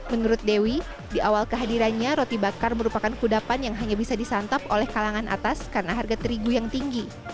menurut dewi di awal kehadirannya roti bakar merupakan kudapan yang hanya bisa disantap oleh kalangan atas karena harga terigu yang tinggi